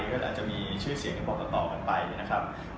ก็อาจจะมีชื่อเสียงบอกต่อกันไปนะครับ